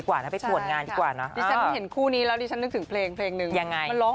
กับเขาด้วยนะคะเดี๋ยวถ้าหัวกระตุ้ยกลางปี